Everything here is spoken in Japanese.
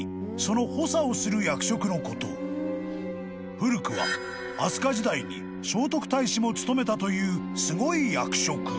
［古くは飛鳥時代に聖徳太子も務めたというすごい役職］